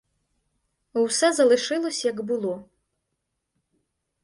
Все залишилось, як було.